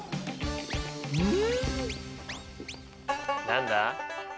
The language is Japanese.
何だ？